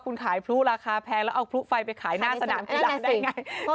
คุณขายพลุราคาแพงแล้วเอาพลุไฟไปขายหน้าสนามกีฬาได้ยังไง